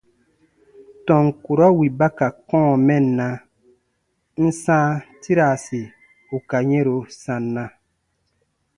Tɔn kurɔ wì ba ka kɔ̃ɔ mɛnna, n ǹ sãa tiraasi ù ka yɛ̃ro sanna.